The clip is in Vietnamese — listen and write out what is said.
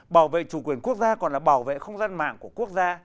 bảo vệ chủ quyền quốc gia còn là bảo vệ không gian mạng của quốc gia